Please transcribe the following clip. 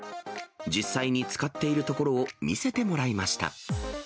実際に使っているところを見せてもらいました。